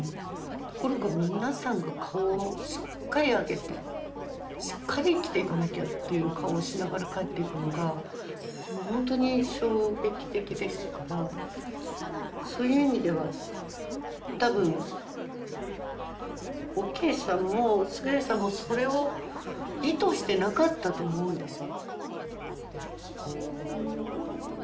ところが皆さんが顔をしっかり上げてしっかり生きていかなきゃという顔をしながら帰っていくのがもうほんとに衝撃的でしたからそういう意味では多分おケイさんも勝さんもそれを意図してなかったと思うんですよ。